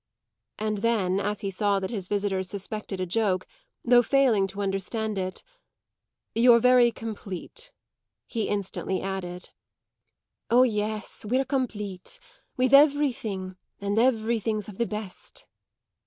And then, as he saw that his visitors suspected a joke, though failing to understand it, "You're very complete," he instantly added. "Oh, yes, we're complete. We've everything, and everything's of the best."